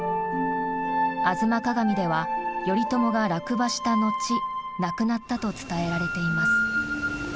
「吾妻鏡」では頼朝が落馬した後亡くなったと伝えられています。